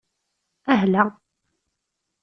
Ahla!